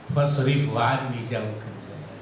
pas ribuan dijauhkan saya